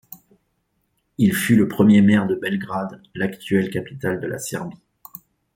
Il fut le premier maire de Belgrade, l'actuelle capitale de la Serbie.